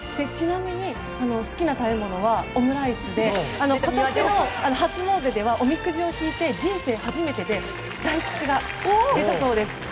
ちなみに、好きな食べ物はオムライスで今年の初詣ではおみくじを引いて人生初めてで大吉が出たそうです。